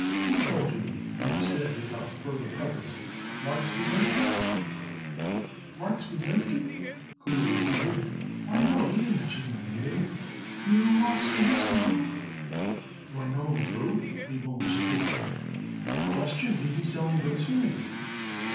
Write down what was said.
"Who told you?" Abe said without further preface. "Marks Pasinsky?" "Marks Pasinsky?" Kuhner repeated. "Why, no. He didn't mention your name, Abe. Do you know Marks Pasinsky, too?" "Do I know him, too?" Abe almost shrieked. "A question! Ain't he selling goods for me?"